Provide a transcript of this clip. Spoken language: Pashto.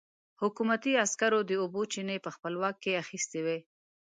حکومتي عسکرو د اوبو چينې په خپل واک کې اخيستې وې.